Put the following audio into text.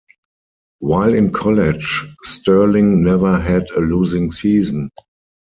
While in college Stirling never had a losing season.